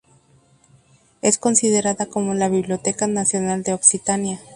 Es considerada como la biblioteca nacional de Occitania.